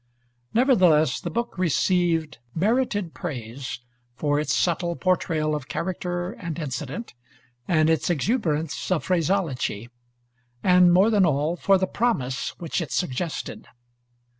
Nevertheless, the book received merited praise for its subtle portrayal of character and incident, and its exuberance of phraseology; and more than all, for the promise which it suggested.